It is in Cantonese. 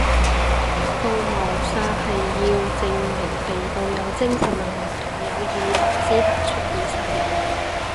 告謀殺係要證明被告有精神能力同有意圖之下蓄意殺人